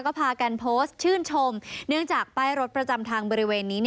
ก็พากันโพสต์ชื่นชมเนื่องจากป้ายรถประจำทางบริเวณนี้